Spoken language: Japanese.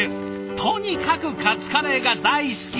とにかくカツカレーが大好き！